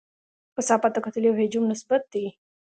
کثافت د کتلې او حجم نسبت دی.